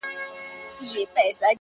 • پاتا د ترانو ده غلبلې دي چي راځي,